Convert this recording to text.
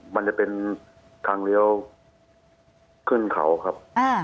มันจะเป็นทางเลี้ยวขึ้นเขาครับ